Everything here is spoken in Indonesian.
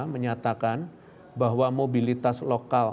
menyatakan bahwa mobilitas lokal